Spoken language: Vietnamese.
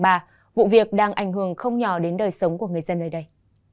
và vụ việc đang ảnh hưởng không nhỏ đến đời sống của người dân nơi đây